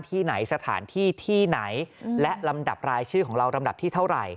ที่ไหนและลำดับรายชื่อของเราลำดับที่เท่าไหร่